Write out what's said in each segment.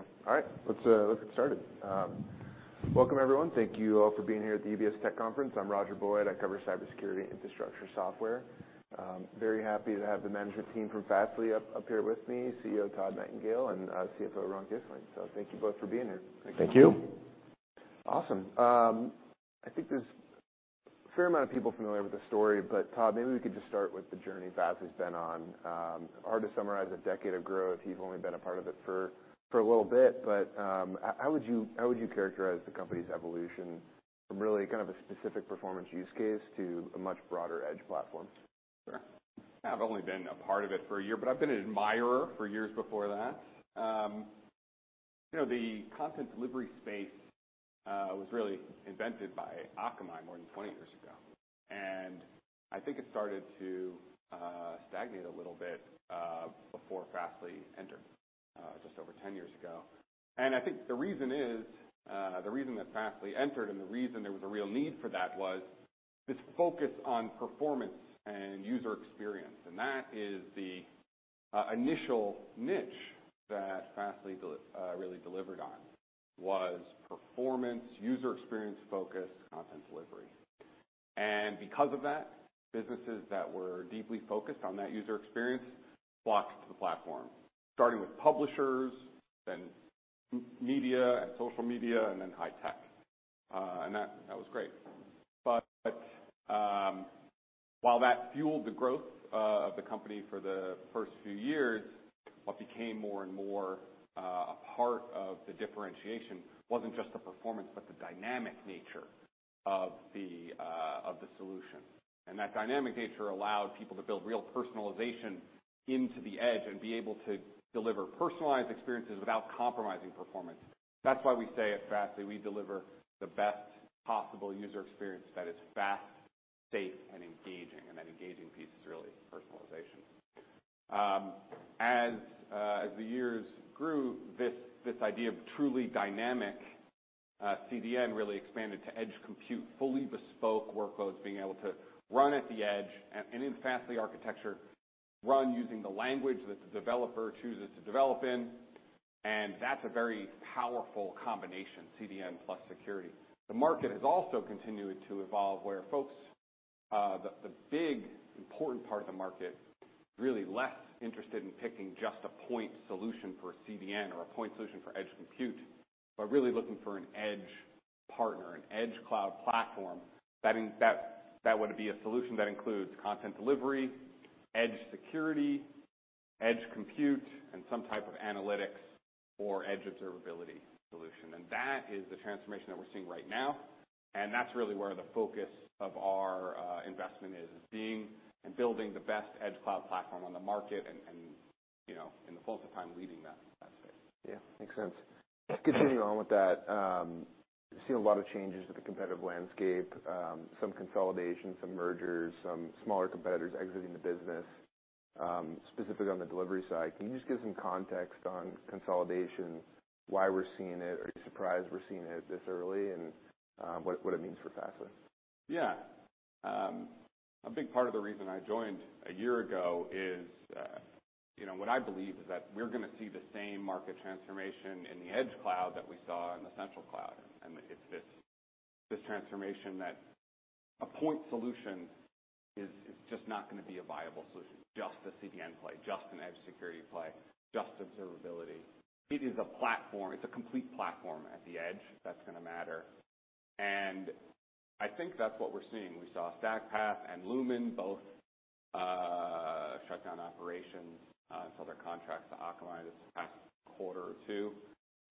Here we go. All right, let's get started. Welcome, everyone. Thank you all for being here at the UBS Tech Conference. I'm Roger Boyd. I cover cybersecurity infrastructure software. Very happy to have the management team from Fastly up here with me, CEO Todd Nightingale and CFO Ron Kisling. So thank you both for being here. Thank you. Thank you. Awesome. I think there's a fair amount of people familiar with the story, but Todd, maybe we could just start with the journey Fastly's been on. Hard to summarize a decade of growth. You've only been a part of it for a little bit, but, how would you characterize the company's evolution from really kind of a specific performance use case to a much broader edge platform? Sure. I've only been a part of it for a year, but I've been an admirer for years before that. You know, the content delivery space was really invented by Akamai more than 20 years ago, and I think it started to stagnate a little bit before Fastly entered just over 10 years ago. And I think the reason is the reason that Fastly entered, and the reason there was a real need for that, was this focus on performance and user experience. And that is the initial niche that Fastly really delivered on, was performance, user experience-focused content delivery. And because of that, businesses that were deeply focused on that user experience flocked to the platform, starting with publishers, then media and social media, and then high tech. And that was great. But, while that fueled the growth of the company for the first few years, what became more and more a part of the differentiation wasn't just the performance, but the dynamic nature of the solution. And that dynamic nature allowed people to build real personalization into the edge and be able to deliver personalized experiences without compromising performance. That's why we say at Fastly, we deliver the best possible user experience that is fast, safe, and engaging, and that engaging piece is really personalization. As the years grew, this idea of truly dynamic CDN really expanded to edge compute, fully bespoke workloads being able to run at the edge, and in Fastly architecture, run using the language that the developer chooses to develop in, and that's a very powerful combination, CDN plus security. The market has also continued to evolve, where folks, the big, important part of the market is really less interested in picking just a point solution for a CDN or a point solution for edge compute, but really looking for an edge partner, an edge cloud platform. That would be a solution that includes content delivery, edge security, edge compute, and some type of analytics or edge observability solution. That is the transformation that we're seeing right now, and that's really where the focus of our investment is, being and building the best edge cloud platform on the market, and, you know, in the fullness of time, leading that space. Yeah, makes sense. Continuing on with that, we've seen a lot of changes in the competitive landscape, some consolidation, some mergers, some smaller competitors exiting the business, specifically on the delivery side. Can you just give some context on consolidation, why we're seeing it? Are you surprised we're seeing it this early, and, what, what it means for Fastly? Yeah. A big part of the reason I joined a year ago is, you know, what I believe is that we're gonna see the same market transformation in the edge cloud that we saw in the central cloud. And it's this, this transformation that a point solution is just not gonna be a viable solution, just the CDN play, just an edge security play, just observability. It is a platform. It's a complete platform at the edge that's gonna matter, and I think that's what we're seeing. We saw StackPath and Lumen both shut down operations, sell their contracts to Akamai this past quarter or two.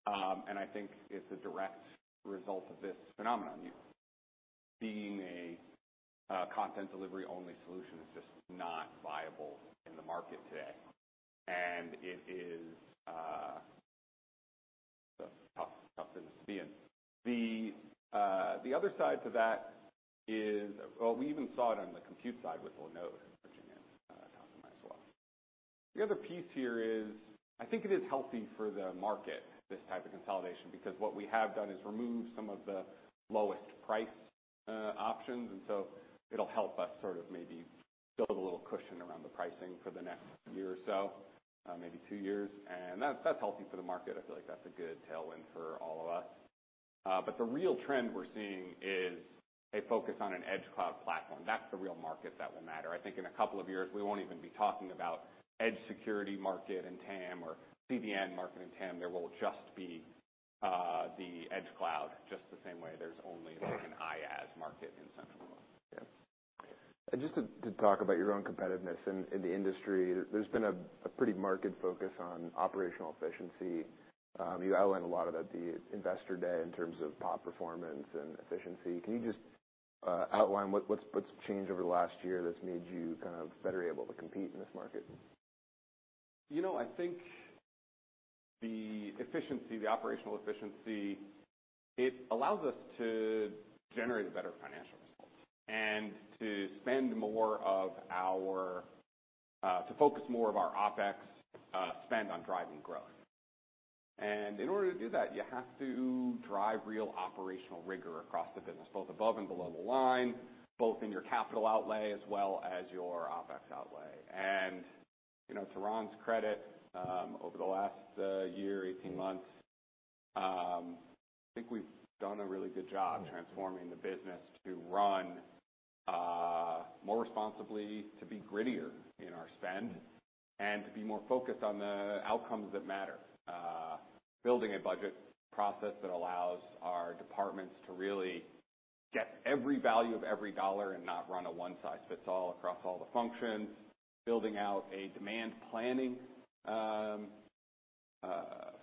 And I think it's a direct result of this phenomenon, you know, being a content delivery-only solution is just not viable in the market today, and it is a tough, tough business to be in. The other side to that is. Well, we even saw it on the compute side with Akamai purchasing Linode as well. The other piece here is, I think it is healthy for the market, this type of consolidation, because what we have done is removed some of the lowest price options. And so it'll help us sort of maybe build a little cushion around the pricing for the next year or so, maybe two years. And that's, that's healthy for the market. I feel like that's a good tailwind for all of us. But the real trend we're seeing is a focus on an edge cloud platform. That's the real market that will matter. I think in a couple of years, we won't even be talking about edge security market and TAM or CDN market and TAM. There will just be the Edge Cloud, just the same way there's only an IaaS market in central. Yeah. And just to talk about your own competitiveness in the industry, there's been a pretty marked focus on operational efficiency. You outlined a lot of it at the Investor Day in terms of POP performance and efficiency. Can you just outline what's changed over the last year that's made you kind of better able to compete in this market? You know, I think the efficiency, the operational efficiency, it allows us to generate a better financial result and to focus more of our OpEx spend on driving growth. In order to do that, you have to drive real operational rigor across the business, both above and below the line, both in your capital outlay as well as your OpEx outlay. You know, to Ron's credit, over the last year, 18 months, I think we've done a really good job transforming the business to run more responsibly, to be grittier in our spend, and to be more focused on the outcomes that matter. Building a budget process that allows our departments to really get every value of every dollar and not run a one-size-fits-all across all the functions. Building out a demand planning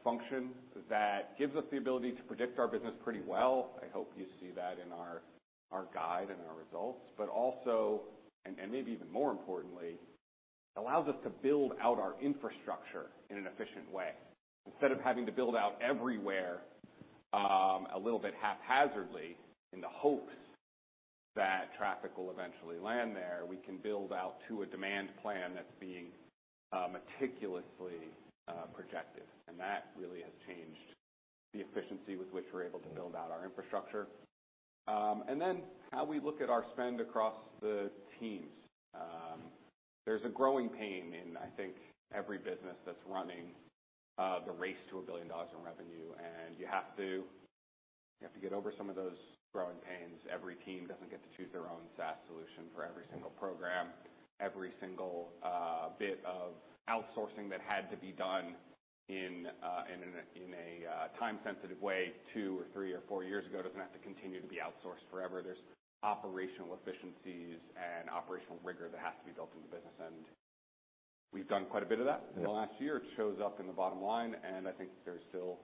function that gives us the ability to predict our business pretty well. I hope you see that in our guide and our results. But also, and maybe even more importantly, allows us to build out our infrastructure in an efficient way. Instead of having to build out everywhere, a little bit haphazardly in the hopes that traffic will eventually land there, we can build out to a demand plan that's being meticulously projected, and that really has changed the efficiency with which we're able to build out our infrastructure. And then how we look at our spend across the teams. There's a growing pain in, I think, every business that's running the race to a billion dollars in revenue, and you have to get over some of those growing pains. Every team doesn't get to choose their own SaaS solution for every single program. Every single bit of outsourcing that had to be done in a time-sensitive way, two or three or four years ago, doesn't have to continue to be outsourced forever. There's operational efficiencies and operational rigor that has to be built in the business, and we've done quite a bit of that. Yeah. In the last year. It shows up in the bottom line, and I think there's still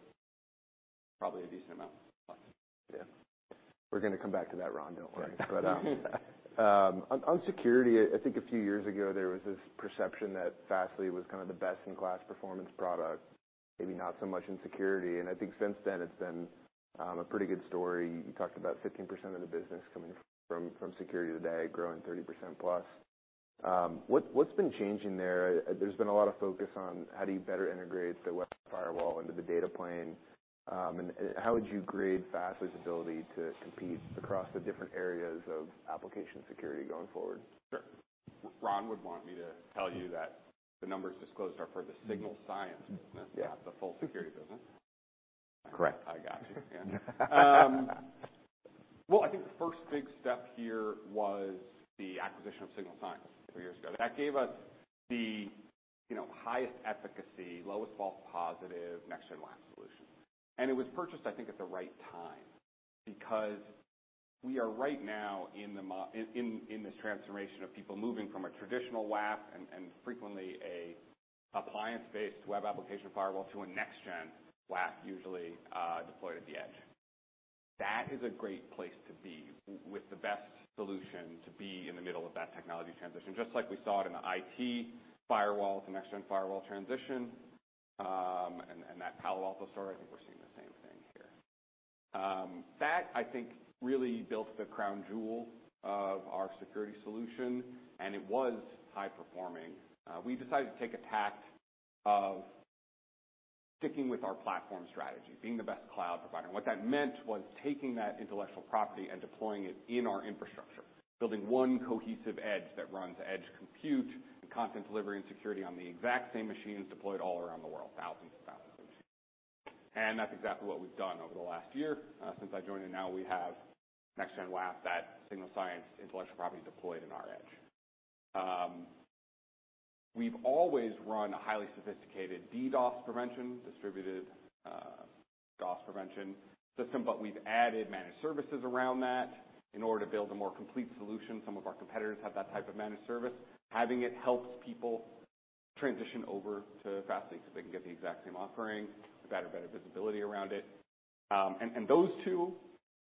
probably a decent amount left. Yeah. We're gonna come back to that, Ron, don't worry. But on security, I think a few years ago, there was this perception that Fastly was kind of the best-in-class performance product, maybe not so much in security. And I think since then, it's been a pretty good story. You talked about 15% of the business coming from security today, growing 30%+. What's been changing there? There's been a lot of focus on how do you better integrate the web firewall into the data plane. And how would you grade Fastly's ability to compete across the different areas of application security going forward? Sure. Ron would want me to tell you that the numbers disclosed are for the Signal Sciences not the full security business. Correct. I got you. Yeah. Well, I think the first big step here was the acquisition of Signal Sciences a few years ago. That gave us the, you know, highest efficacy, lowest false positive, next-gen WAF solution. And it was purchased, I think, at the right time, because we are right now in this transformation of people moving from a traditional WAF and frequently an appliance-based web application firewall to a next-gen WAF, usually, deployed at the edge. That is a great place to be, with the best solution to be in the middle of that technology transition. Just like we saw it in the IT firewall, the next-gen firewall transition, and that Palo Alto story, I think we're seeing the same thing here. That, I think, really built the crown jewel of our security solution, and it was high performing. We decided to take a tack of sticking with our platform strategy, being the best cloud provider. And what that meant was taking that intellectual property and deploying it in our infrastructure, building one cohesive edge that runs edge compute and content delivery and security on the exact same machines deployed all around the world, thousands and thousands of machines. And that's exactly what we've done over the last year, since I joined, and now we have next-gen WAF, that Signal Sciences intellectual property deployed in our edge. We've always run a highly sophisticated DDoS prevention, distributed, DoS prevention system, but we've added managed services around that in order to build a more complete solution. Some of our competitors have that type of managed service. Having it helps people transition over to Fastly because they can get the exact same offering, better, better visibility around it. And those two,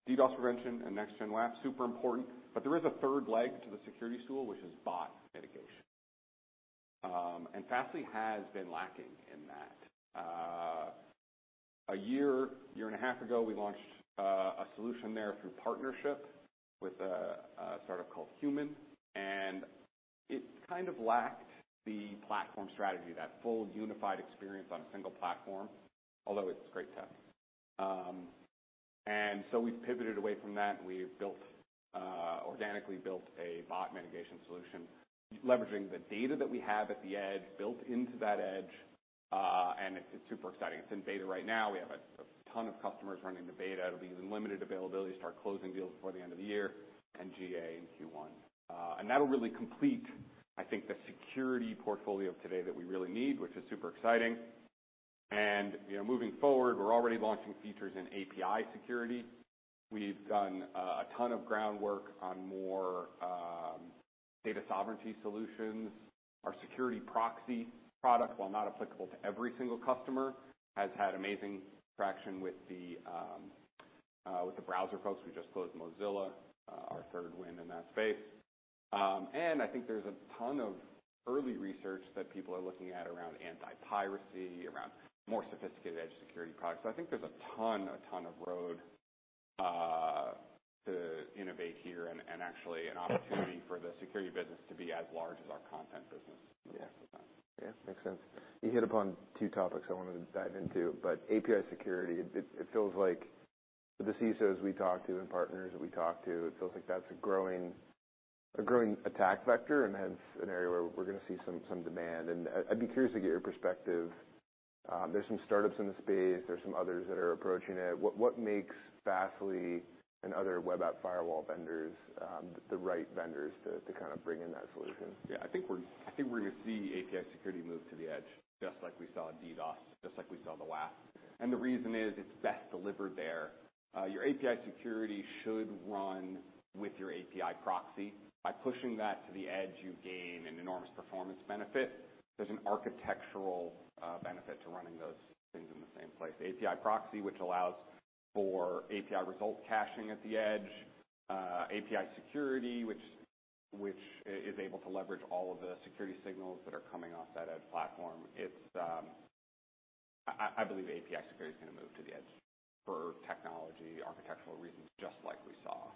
DDoS prevention and next-gen WAF, super important, but there is a third leg to the security stool, which is bot mitigation. And Fastly has been lacking in that. A year and a half ago, we launched a solution there through partnership with a startup called HUMAN, and it kind of lacked the platform strategy, that full unified experience on a single platform, although it's a great test. And so we've pivoted away from that, and we've organically built a bot mitigation solution, leveraging the data that we have at the edge, built into that edge, and it's super exciting. It's in beta right now. We have a ton of customers running the beta. It'll be in limited availability, start closing deals before the end of the year, and GA in Q1. And that'll really complete, I think, the security portfolio today that we really need, which is super exciting. And, you know, moving forward, we're already launching features in API security. We've done a ton of groundwork on more data sovereignty solutions. Our security proxy product, while not applicable to every single customer, has had amazing traction with the browser folks. We just closed Mozilla, our third win in that space. And I think there's a ton of early research that people are looking at around anti-piracy, around more sophisticated edge security products. So I think there's a ton, a ton of road to innovate here, and actually an opportunity for the security business to be as large as our content business. Yeah. Yeah, makes sense. You hit upon two topics I wanted to dive into, but API security, it feels like the CISOs we talk to and partners that we talk to, it feels like that's a growing attack vector, and hence an area where we're gonna see some demand. I'd be curious to get your perspective. There's some startups in the space, there's some others that are approaching it. What makes Fastly and other web app firewall vendors the right vendors to kind of bring in that solution? Yeah, I think we're gonna see API security move to the edge, just like we saw in DDoS, just like we saw in the WAF. And the reason is, it's best delivered there. Your API security should run with your API proxy. By pushing that to the edge, you gain an enormous performance benefit. There's an architectural benefit to running those things in the same place. API proxy, which allows for API result caching at the edge, API security, which is able to leverage all of the security signals that are coming off that edge platform. I believe API security is gonna move to the edge for technology architectural reasons, just like we saw,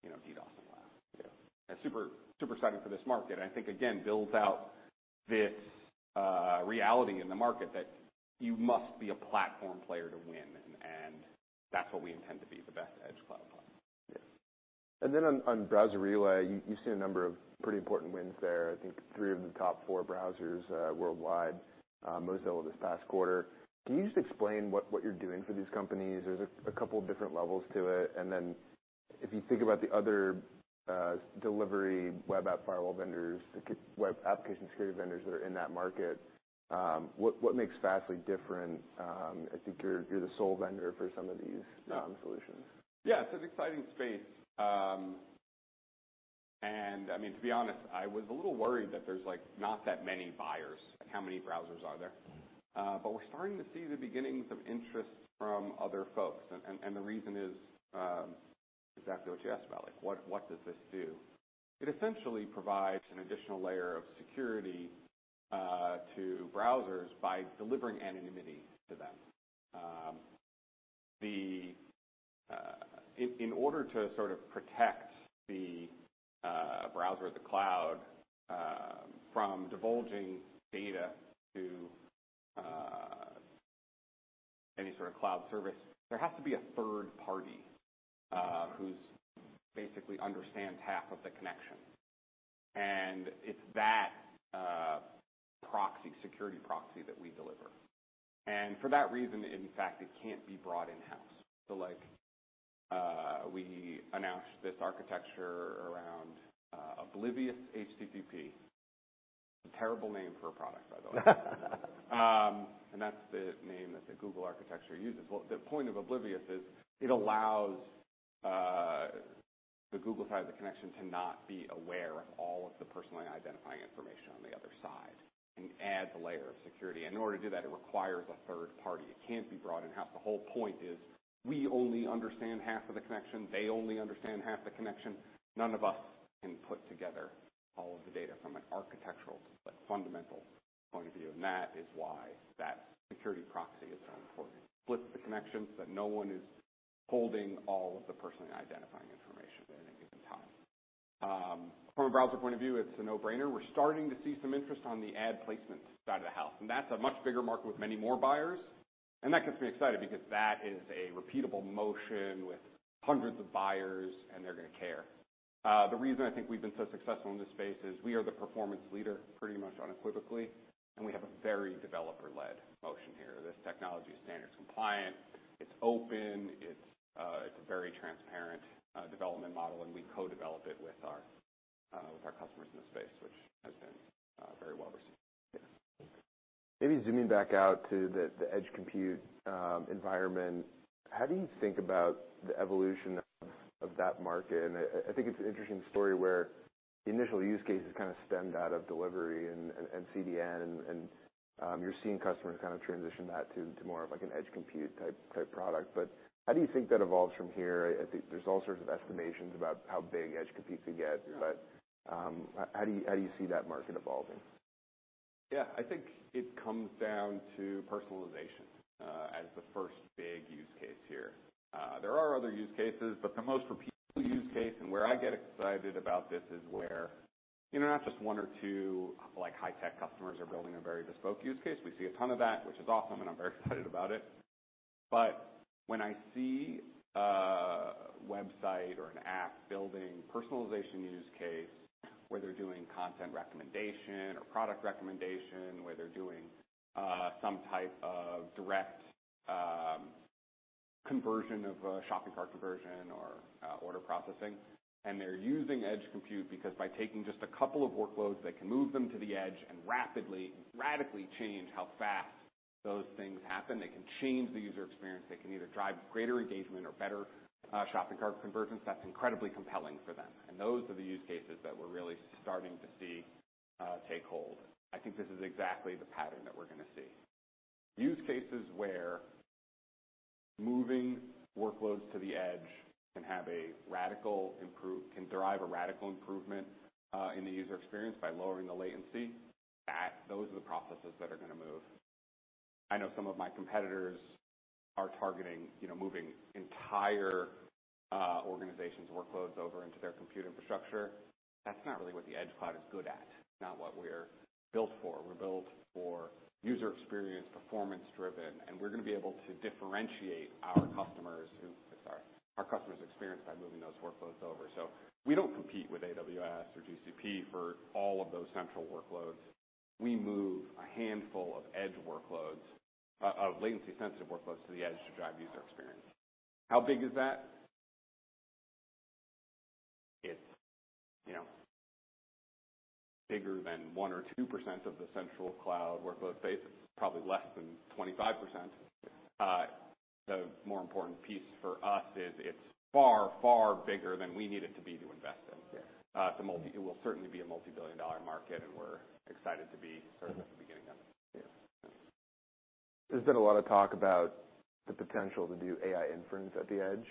you know, DDoS and WAF. Yeah. I'm super, super excited for this market, and I think, again, builds out this reality in the market, that you must be a platform player to win, and, and that's what we intend to be, the best edge cloud platform. Yeah. And then on browser relay, you've seen a number of pretty important wins there. I think three of the top four browsers worldwide, Mozilla this past quarter. Can you just explain what you're doing for these companies? There's a couple of different levels to it. And then if you think about the other delivery web app firewall vendors, the key web application security vendors that are in that market, what makes Fastly different? I think you're the sole vendor for some of these- Yeah... solutions. Yeah, it's an exciting space. And I mean, to be honest, I was a little worried that there's, like, not that many buyers, like how many browsers are there? But we're starting to see the beginnings of interest from other folks. And the reason is, exactly what you asked about, like what, what does this do? It essentially provides an additional layer of security, to browsers by delivering anonymity to them. In order to sort of protect the, browser or the cloud, from divulging data to, any sort of cloud service, there has to be a third party, who's basically understands half of the connection, and it's that, proxy, security proxy that we deliver. And for that reason, in fact, it can't be brought in-house. So like, we announced this architecture around, Oblivious HTTP. A terrible name for a product, by the way. And that's the name that the Google architecture uses. Well, the point of Oblivious is, it allows, the Google side of the connection to not be aware of all of the personally identifying information on the other side, and adds a layer of security. In order to do that, it requires a third party. It can't be brought in-house. The whole point is, we only understand half of the connection. They only understand half the connection. None of us can put together all of the data from an architectural, but fundamental point of view, and that is why that security proxy is so important. It splits the connection so that no one is holding all of the personally identifying information at any given time. From a browser point of view, it's a no-brainer. We're starting to see some interest on the ad placement side of the house, and that's a much bigger market with many more buyers. And that gets me excited, because that is a repeatable motion with hundreds of buyers, and they're gonna care. The reason I think we've been so successful in this space is we are the performance leader, pretty much unequivocally, and we have a very developer-led motion here. This technology is standards compliant, it's open, it's a very transparent development model, and we co-develop it with our customers in the space, which has been very well received. Yeah. Maybe zooming back out to the Edge Compute environment, how do you think about the evolution of that market? I think it's an interesting story where the initial use cases kind of stemmed out of delivery and CDN, and you're seeing customers kind of transition that to more of like an Edge Compute-type product. But how do you think that evolves from here? I think there's all sorts of estimations about how big Edge Compute could get. Yeah. How do you see that market evolving? Yeah. I think it comes down to personalization, as the first big use case here. There are other use cases, but the most repeatable use case, and where I get excited about this, is where, you know, not just one or two, like, high-tech customers are building a very bespoke use case. We see a ton of that, which is awesome, and I'm very excited about it. But when I see a website or an app building personalization use case, where they're doing content recommendation or product recommendation, where they're doing, some type of direct, conversion of a shopping cart conversion or, order processing, and they're using edge compute, because by taking just a couple of workloads, they can move them to the edge and rapidly, radically change how fast those things happen. They can change the user experience. They can either drive greater engagement or better shopping cart conversions. That's incredibly compelling for them, and those are the use cases that we're really starting to see take hold. I think this is exactly the pattern that we're gonna see. Use cases where moving workloads to the edge can derive a radical improvement in the user experience by lowering the latency. Those are the processes that are gonna move. I know some of my competitors are targeting, you know, moving organization's workloads over into their compute infrastructure. That's not really what the Edge Cloud is good at, not what we're built for. We're built for user experience, performance-driven, and we're gonna be able to differentiate our customers with our customers' experience by moving those workloads over. We don't compete with AWS or GCP for all of those central workloads. We move a handful of edge workloads, of latency-sensitive workloads to the edge to drive user experience. How big is that? It's, you know, bigger than 1% or 2% of the central cloud workload base. It's probably less than 25%. The more important piece for us is it's far, far bigger than we need it to be to invest in. Yeah. It will certainly be a multi-billion-dollar market, and we're excited to be sort of at the beginning of it. Yeah. There's been a lot of talk about the potential to do AI inference at the edge.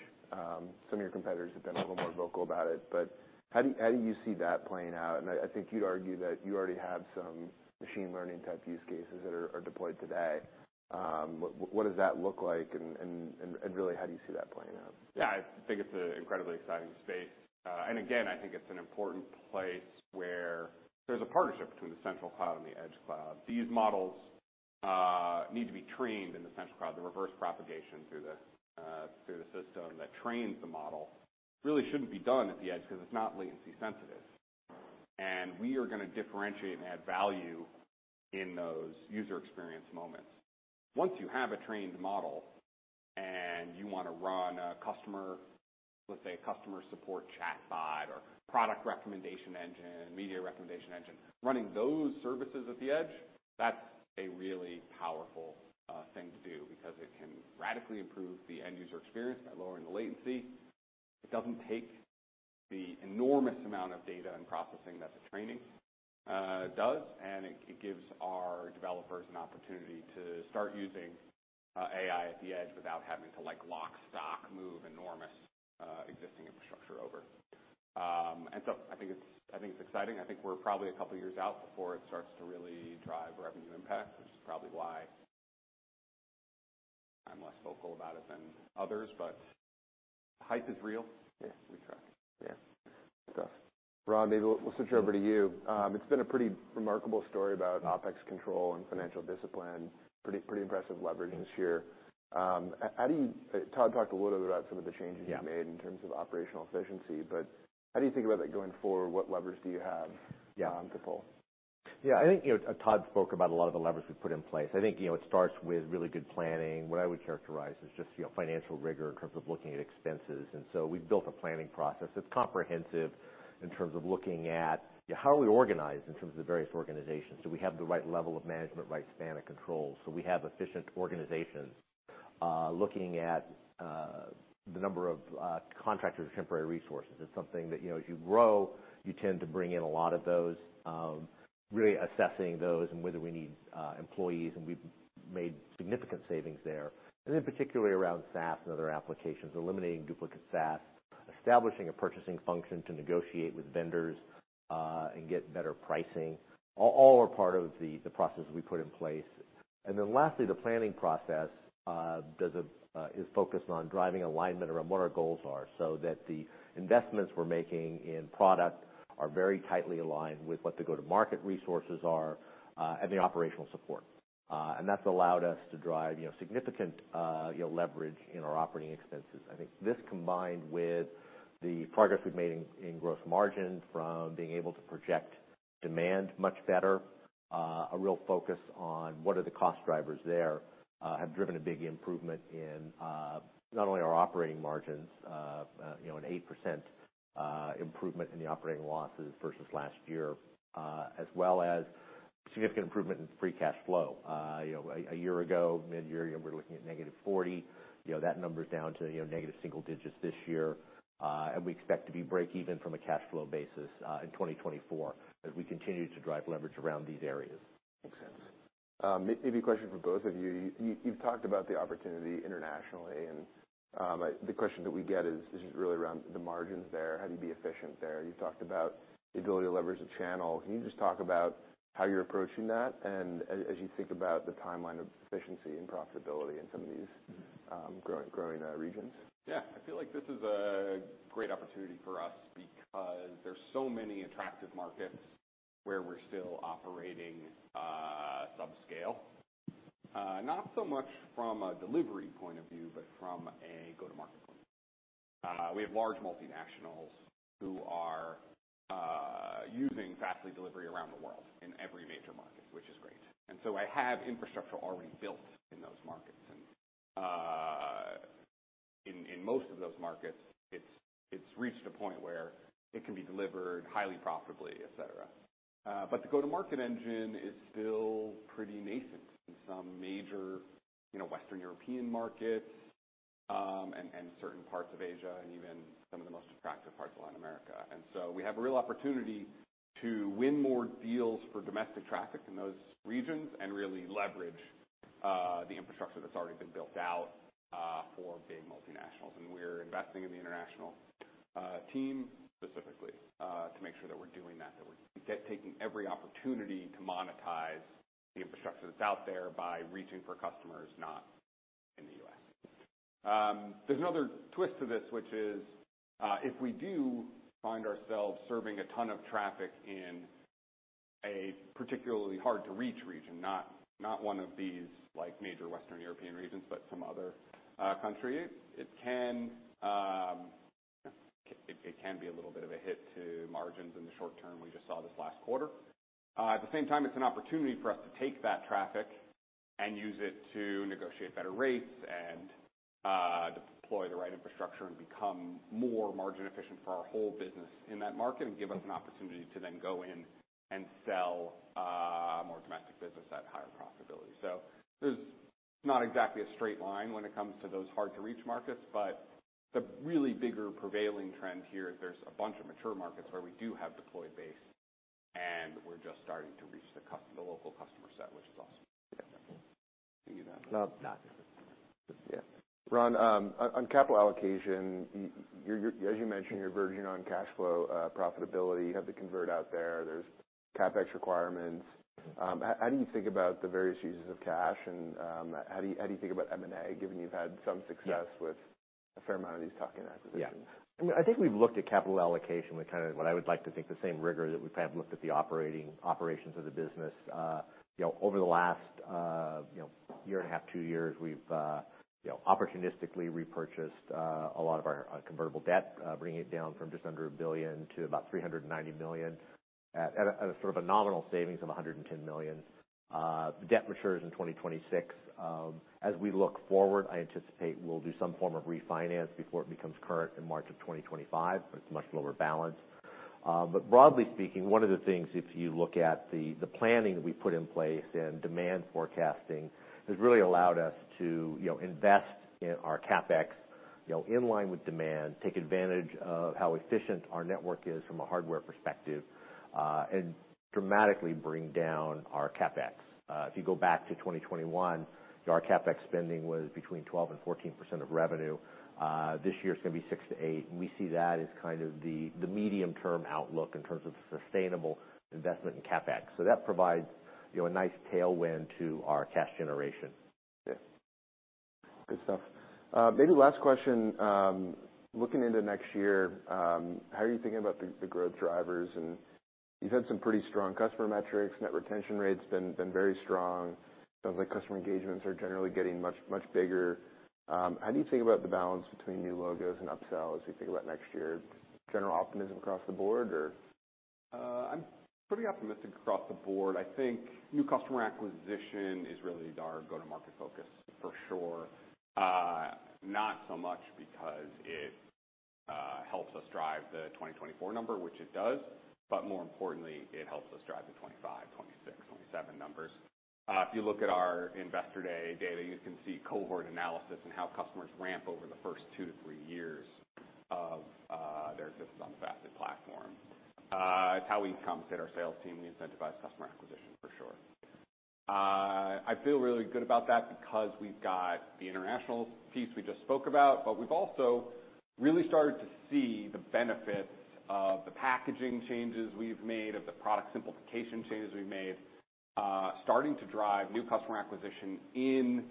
Some of your competitors have been a little more vocal about it, but how do you, how do you see that playing out? And I, I think you'd argue that you already have some machine learning type use cases that are, are deployed today. What, what does that look like, and, and, and, and really, how do you see that playing out? Yeah, I think it's an incredibly exciting space. And again, I think it's an important place where there's a partnership between the central cloud and the Edge Cloud. These models need to be trained in the central cloud. The reverse propagation through the system that trains the model really shouldn't be done at the edge because it's not latency sensitive. And we are gonna differentiate and add value in those user experience moments. Once you have a trained model, and you wanna run a customer, let's say, a customer support chatbot or product recommendation engine, media recommendation engine, running those services at the edge, that's a really powerful thing to do because it can radically improve the end user experience by lowering the latency. It doesn't take the enormous amount of data and processing that the training does, and it, it gives our developers an opportunity to start using AI at the edge without having to, like, lock, stock, move enormous existing infrastructure over. And so I think it's, I think it's exciting. I think we're probably a couple of years out before it starts to really drive revenue impact, which is probably why I'm less vocal about it than others, but the hype is real. Yeah. We try. Yeah. Good stuff. Ron, maybe we'll switch over to you. It's been a pretty remarkable story about OpEx control and financial discipline. Pretty, pretty impressive leverage this year. How do you-- Todd talked a little bit about some of the changes- Yeah... you made in terms of operational efficiency, but how do you think about that going forward? What levers do you have- Yeah. -on the pole? Yeah, I think, you know, Todd spoke about a lot of the levers we've put in place. I think, you know, it starts with really good planning. What I would characterize as just, you know, financial rigor in terms of looking at expenses. And so we've built a planning process. It's comprehensive in terms of looking at how are we organized in terms of the various organizations? Do we have the right level of management, right span of control, so we have efficient organizations? Looking at the number of contractors and temporary resources. It's something that, you know, as you grow, you tend to bring in a lot of those. Really assessing those and whether we need employees, and we've made significant savings there. And then particularly around SaaS and other applications, eliminating duplicate SaaS, establishing a purchasing function to negotiate with vendors, and get better pricing, all are part of the processes we put in place. And then lastly, the planning process is focused on driving alignment around what our goals are, so that the investments we're making in product are very tightly aligned with what the go-to-market resources are, and the operational support. And that's allowed us to drive, you know, significant, you know, leverage in our operating expenses. I think this, combined with the progress we've made in gross margin from being able to project demand much better, a real focus on what are the cost drivers there, have driven a big improvement in not only our operating margins, you know, an 8% improvement in the operating losses versus last year, as well as significant improvement in free cash flow. You know, a year ago, mid-year, we're looking at -40. You know, that number is down to, you know, negative single digits this year, and we expect to be break even from a cash flow basis in 2024 as we continue to drive leverage around these areas. Makes sense. Maybe a question for both of you. You, you've talked about the opportunity internationally, and the question that we get is just really around the margins there. How do you be efficient there? You've talked about the ability to leverage the channel. Can you just talk about how you're approaching that and as you think about the timeline of efficiency and profitability in some of these growing regions? Yeah. I feel like this is a great opportunity for us because there's so many attractive markets where we're still operating subscale. Not so much from a delivery point of view, but from a go-to-market point of view. We have large multinationals who are using Fastly delivery around the world in every major market, which is great. And so I have infrastructure already built in those markets. And in most of those markets, it's reached a point where it can be delivered highly profitably, etc. But the go-to-market engine is still pretty nascent in some major, you know, Western European markets, and certain parts of Asia and even some of the most attractive parts of Latin America. We have a real opportunity to win more deals for domestic traffic in those regions and really leverage the infrastructure that's already been built out for big multinationals. We're investing in the international team specifically to make sure that we're doing that, that we're taking every opportunity to monetize the infrastructure that's out there by reaching for customers not in the U.S. There's another twist to this, which is, if we do find ourselves serving a ton of traffic in a particularly hard-to-reach region, not one of these, like, major Western European regions, but some other country, it can be a little bit of a hit to margins in the short term. We just saw this last quarter. At the same time, it's an opportunity for us to take that traffic and use it to negotiate better rates and deploy the right infrastructure and become more margin efficient for our whole business in that market, and give us an opportunity to then go in and sell more domestic business at higher profitability. So there's not exactly a straight line when it comes to those hard-to-reach markets, but the really bigger prevailing trend here is there's a bunch of mature markets where we do have deployed base, and we're just starting to reach the local customer set, which is awesome. Love that. Yeah. Ron, on capital allocation, you're—as you mentioned, you're verging on cash flow profitability. You have the convert out there. There's CapEx requirements. How do you think about the various uses of cash, and how do you think about M&A, given you've had some success- Yeah. with a fair amount of these tuck-in acquisitions? Yeah. I mean, I think we've looked at capital allocation with kind of what I would like to think the same rigor that we've kind of looked at the operations of the business. You know, over the last, you know, year and a half, two years, we've, you know, opportunistically repurchased, a lot of our, convertible debt, bringing it down from just under $1 billion to about $390 million, at a, at a sort of a nominal savings of $110 million. The debt matures in 2026. As we look forward, I anticipate we'll do some form of refinance before it becomes current in March of 2025, but it's a much lower balance. But broadly speaking, one of the things, if you look at the, the planning that we put in place and demand forecasting, has really allowed us to, you know, invest in our CapEx, you know, in line with demand, take advantage of how efficient our network is from a hardware perspective, and dramatically bring down our CapEx. If you go back to 2021, our CapEx spending was between 12% and 14% of revenue. This year it's gonna be 6%-8%, and we see that as kind of the, the medium-term outlook in terms of sustainable investment in CapEx. So that provides, you know, a nice tailwind to our cash generation. Yeah. Good stuff. Maybe last question. Looking into next year, how are you thinking about the growth drivers? You've had some pretty strong customer metrics. Net retention rates been very strong. Sounds like customer engagements are generally getting much, much bigger. How do you think about the balance between new logos and upsells as you think about next year? General optimism across the board, or? I'm pretty optimistic across the board. I think new customer acquisition is really our go-to-market focus, for sure. Not so much because it helps us drive the 2024 number, which it does, but more importantly, it helps us drive the 2025, 2026, 2027 numbers. If you look at our Investor Day data, you can see cohort analysis and how customers ramp over the first two to three years of their existence on the Fastly platform. It's how we compensate our sales team. We incentivize customer acquisition, for sure. I feel really good about that because we've got the international piece we just spoke about, but we've also really started to see the benefits of the packaging changes we've made, of the product simplification changes we've made, starting to drive new customer acquisition in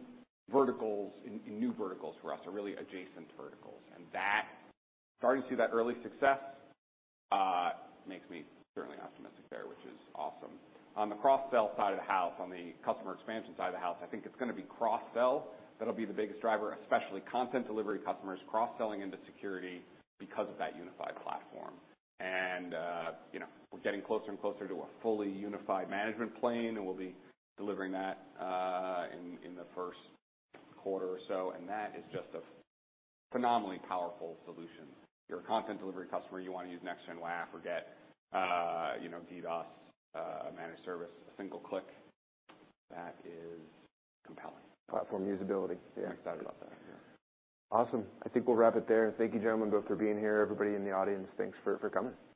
verticals, in new verticals for us, or really adjacent verticals. And that, starting to see that early success, makes me certainly optimistic there, which is awesome. On the cross-sell side of the house, on the customer expansion side of the house, I think it's gonna be cross-sell that'll be the biggest driver, especially content delivery customers cross-selling into security because of that unified platform. And, you know, we're getting closer and closer to a fully unified management plane, and we'll be delivering that in the first quarter or so, and that is just a phenomenally powerful solution. You're a content delivery customer, you want to use next-gen WAF or get, you know, DDoS, managed service, a single click, that is compelling. Platform usability. Yeah, excited about that. Awesome. I think we'll wrap it there. Thank you, gentlemen, both for being here. Everybody in the audience, thanks for coming.